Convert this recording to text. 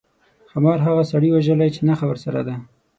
ښامار هغه سړي وژلی چې نخښه ورسره ده.